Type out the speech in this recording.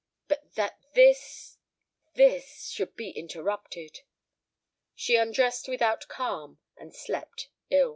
. But that this this should be interrupted!" She undressed without calm and slept ill.